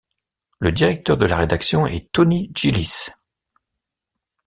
Le directeur de la rédaction est Tony Gillies.